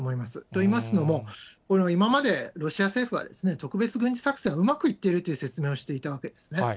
といいますのも、今までロシア政府は、特別軍事作戦はうまくいっているという説明をしていたわけですね。